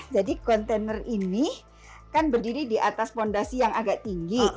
jadi kontainer ini kan berdiri di atas fondasi yang agak tinggi